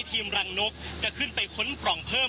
ทีมรังนกจะขึ้นไปค้นปล่องเพิ่ม